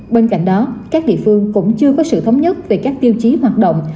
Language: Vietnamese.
bên cạnh đó các địa phương cũng chưa có sự thống nhất về các tiêu chí hoạt động